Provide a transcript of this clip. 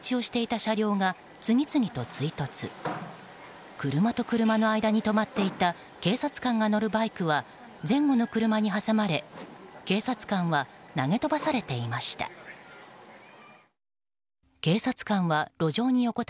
車と車の間に止まっていた警察官が乗るバイクは前後の車に挟まれ警察官は投げ飛ばされていました。